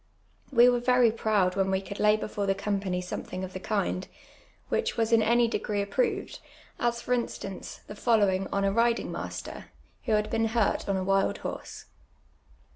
We were very ]M oud when we could lay before the company somethinpj of the kind, which was in any dei^re approved, as, for instance, the following on a ritling mastcr, who had been hui t on a wild horse.